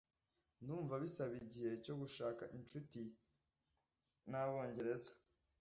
Ndumva bisaba igihe cyo gushaka inshuti nabongereza.